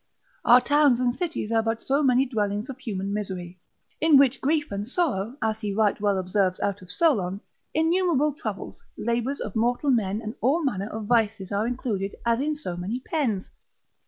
Our towns and cities are but so many dwellings of human misery. In which grief and sorrow (as he right well observes out of Solon) innumerable troubles, labours of mortal men, and all manner of vices, are included, as in so many pens.